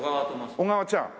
小川ちゃん